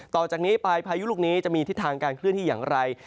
ต่อจากนี้ไปพายุลูกนี้จะมีทิศทางการเคลื่อนที่อย่างไร